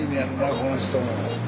この人も。